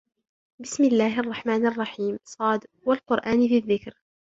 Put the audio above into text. بسم الله الرحمن الرحيم ص والقرآن ذي الذكر